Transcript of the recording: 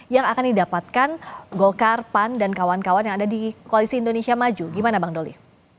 yang akan didapatkan golkar pan dan kawan kawan yang ada di koalisi indonesia maju gimana bang doli